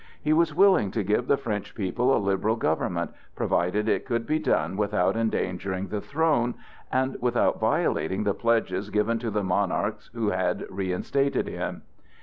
He was willing to give the French people a liberal government, provided it could be done without endangering the throne, and without violating the pledges given to the monarchs who had reinstated him.